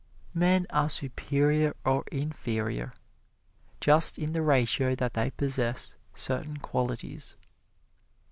Men are superior or inferior just in the ratio that they possess certain qualities.